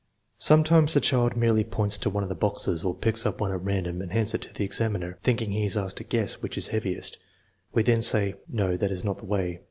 Sometimes the child merely points to one of the boxes or picks up one at random and hands it to the examiner, thinking he is asked to guess which is heaviest. We then say: "No, that is not the way.